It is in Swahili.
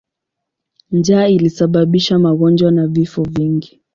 Njaa ilisababisha magonjwa na vifo vingi.